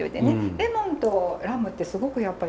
レモンとラムってすごくやっぱよく合うので。